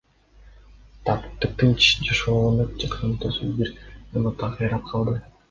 Тыптынч жашоо уланып жаткан отуз үй бир заматта кыйрап калды.